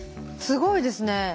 すごいですね。